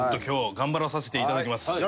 今日頑張らさせていただきます。